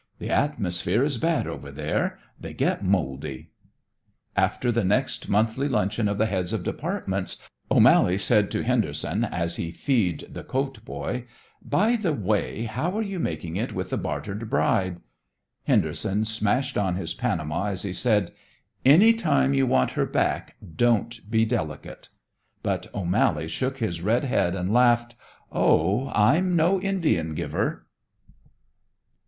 The atmosphere is bad over there. They get moldy." After the next monthly luncheon of the heads of departments, O'Mally said to Henderson, as he feed the coat boy: "By the way, how are you making it with the bartered bride?" Henderson smashed on his Panama as he said: "Any time you want her back, don't be delicate." But O'Mally shook his red head and laughed. "Oh, I'm no Indian giver!"